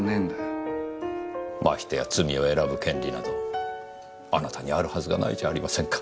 ましてや罪を選ぶ権利などあなたにあるはずがないじゃありませんか。